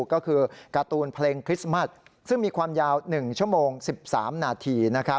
ก็คือการ์ตูนเพลงคริสต์มัสซึ่งมีความยาว๑ชั่วโมง๑๓นาที